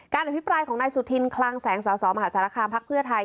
อภิปรายของนายสุธินคลังแสงสสมหาสารคามพักเพื่อไทย